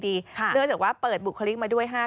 เนื่องจากว่าเปิดบุคลิกมาด้วย๕๐